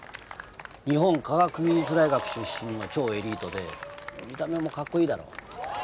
日本科学技術大学出身の超エリートで見た目もかっこいいだろ。